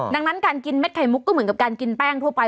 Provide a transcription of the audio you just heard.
ดังนั้นการกินเม็ดไข่มุกก็เหมือนกับการกินแป้งทั่วไป